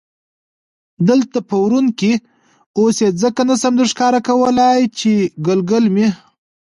دلته په ورون کې، اوس یې ځکه نه شم درښکاره کولای چې ګلګل مې.